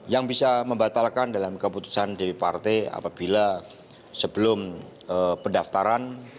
yang bisa membatalkan dalam keputusan dprt apabila sebelum pendaftaran